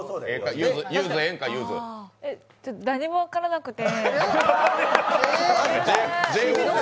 何も分からなくて。